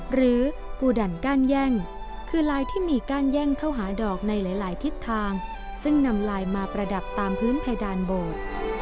หรือกูดันก้านแย่งคือลายที่มีก้านแย่งเข้าหาดอกในหลายทิศทางซึ่งนำลายมาประดับตามพื้นเพดานโบสถ์